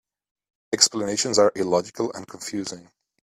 Explanations are illogical and confusing.